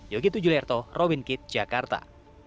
yogi tujuh lerto robin kitt jakarta